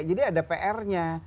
jadi ada pr nya